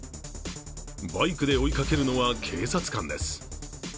バイクで追いかけるのは警察官です。